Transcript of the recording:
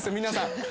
皆さん。